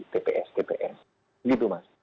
tps tps begitu mas